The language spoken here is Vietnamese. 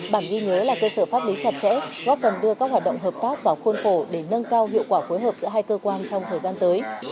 bản ghi nhớ là cơ sở pháp lý chặt chẽ góp phần đưa các hoạt động hợp tác vào khuôn khổ để nâng cao hiệu quả phối hợp giữa hai cơ quan trong thời gian tới